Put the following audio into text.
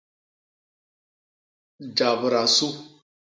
Jabda su.